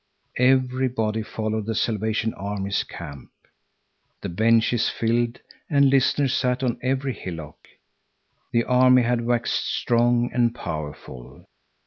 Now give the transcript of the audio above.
Everybody followed to the Salvation Army's camp. The benches filled, and listeners sat on every hillock. The army had waxed strong and powerful.